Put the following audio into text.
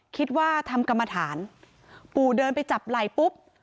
คิดว่าทำกรรมฐานปู่เดินไปจับไหล่ปุ๊บ